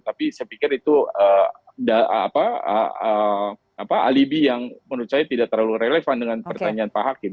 tapi saya pikir itu alibi yang menurut saya tidak terlalu relevan dengan pertanyaan pak hakim